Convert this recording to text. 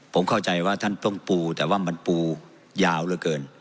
ผมเข้าใจว่าท่านต้องปูแต่ว่ามันปูยาวเหลือเกิน